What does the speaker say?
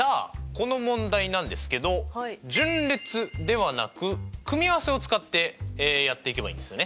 この問題なんですけど順列ではなく組合せを使ってやっていけばいいんですよね。